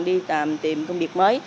đi tìm công việc mới